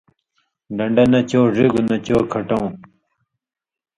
ڈن٘ڈہ نہ چو ڙِگوۡ نہ چو کھٹؤں،